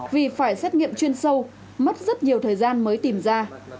vì phải xét nghiệm chuyên sâu mất rất nhiều thời gian mới tìm ra